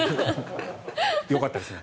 よかったですね